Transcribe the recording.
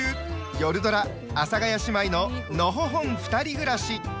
よるドラ「阿佐ヶ谷姉妹ののほほんふたり暮らし」。